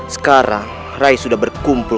sekarang rai sudah berkumpul